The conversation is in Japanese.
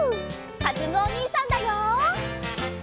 かずむおにいさんだよ。